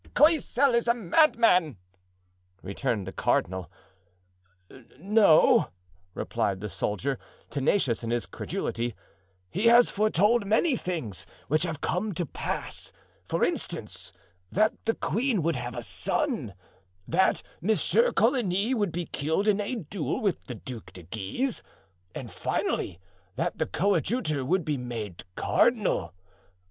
"Coysel is a madman!" returned the cardinal. "No," replied the soldier, tenacious in his credulity; "he has foretold many things which have come to pass; for instance, that the queen would have a son; that Monsieur Coligny would be killed in a duel with the Duc de Guise; and finally, that the coadjutor would be made cardinal.